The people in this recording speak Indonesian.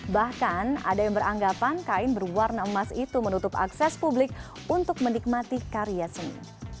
bahkan ada yang beranggapan kain berwarna emas itu menutup akses publik untuk menikmati karya seni